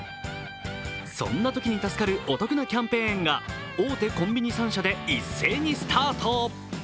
そんなときに助かるお得なキャンペーンが大手コンビニ３社で一斉にスタート